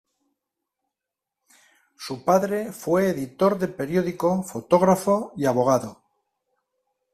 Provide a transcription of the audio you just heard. Su padre fue editor de periódico, fotógrafo y abogado.